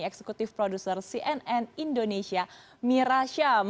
eksekutif produser cnn indonesia mira syam